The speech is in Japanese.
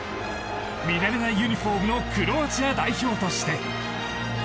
見慣れないユニホームのクロアチア代表として。